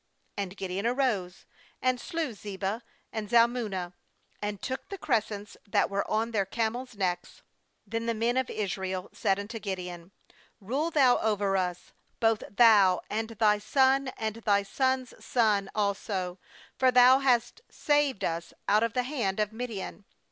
And Gideon arose, and slew Zebah and Zalmunna. and took the crescents that were on their camels' necks. MThen the men of Israel said unto Gideon: 'Rule thou over us, both thou, and thy son, and thy son's son also; for thou hast saved us out of the hand of Midian.'